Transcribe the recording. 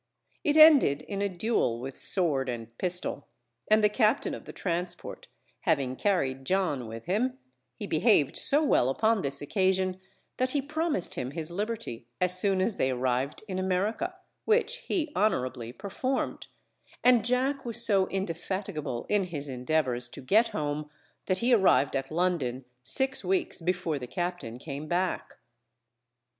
It ended in a duel with sword and pistol, and the captain of the transport having carried John with him, he behaved so well upon this occasion that he promised him his liberty as soon as they arrived in America, which he honorably performed; and Jack was so indefatigable in his endeavours to get home that he arrived at London six weeks before the captain came back.